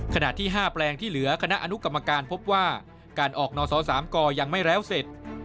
ขณะที่๕แปลงที่เหลือคณะอนุกรรมการพบว่าการออกนส๓กยังไม่แล้วเสร็จ